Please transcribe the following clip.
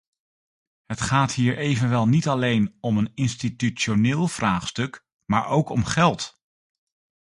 Het gaat hier evenwel niet alleen om een institutioneel vraagstuk, maar ook om geld.